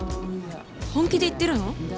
本気で言ってるの？